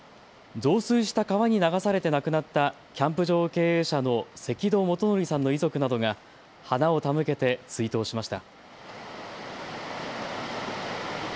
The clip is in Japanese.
増水した川に流されて亡くなったキャンプ場経営者の関戸基法さんの遺族などが花を手向けて追悼しました。